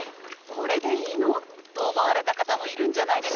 これでいいの？」と思われた方もいるんじゃないでしょうか。